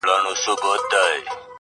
څارنوال ویله پلاره در جارېږم,